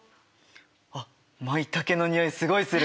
あっマイタケのにおいすごいする。